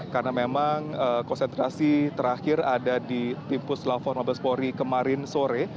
karena memang konsentrasi terakhir ada di timpus la forma bespori kemarin sore